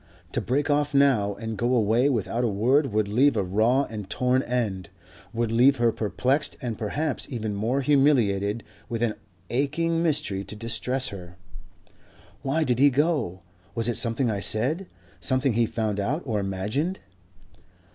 To break off now and go away without a word would leave a raw and torn end, would leave her perplexed and perhaps even more humiliated with an aching mystery to distress her. "Why did he go? Was it something I said? something he found out or imagined?"